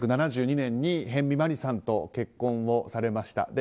１９７２年に辺見マリさんと結婚をされました。